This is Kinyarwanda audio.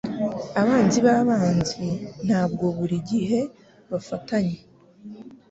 Abanzi b'abanzi ntabwo buri gihe bafatanya